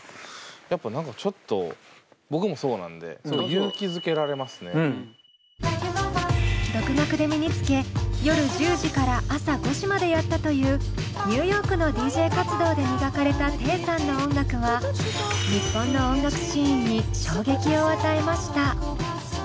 やっぱ何かちょっと僕もそうなんで独学で身につけ夜１０時から朝５時までやったというニューヨークのＤＪ活動で磨かれたテイさんの音楽は日本の音楽シーンに衝撃を与えました。